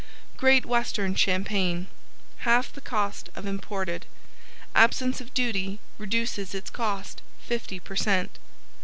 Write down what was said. GREAT WESTERN CHAMPAGNE Half the Cost of Imported Absence of duty reduces its cost 50 per cent.